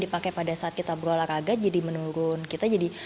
dipakai pada saat kita berolahraga jadi menurun kita jadi